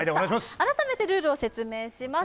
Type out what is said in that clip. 改めてルールを説明します。